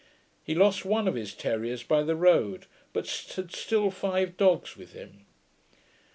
He lost one of his terriers by the road, but had still five dogs with him.